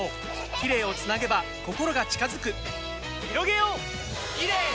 キレイをつなげば心が近づくひろげようキレイの輪！